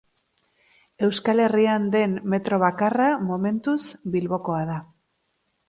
Euskal Herrian den metro bakarra, momentuz, Bilbokoa da.